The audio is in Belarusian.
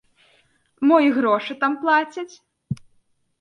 Мо і грошы там плацяць?